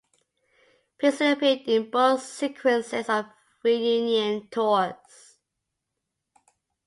Peterson appeared in both sequences of reunion tours.